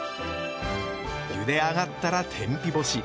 ゆで上がったら天日干し。